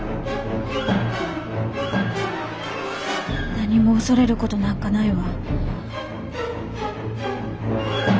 何も恐れる事なんかないわ。